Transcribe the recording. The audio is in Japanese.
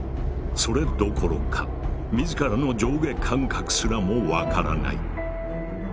それどころか自らの上下感覚すらも分からない。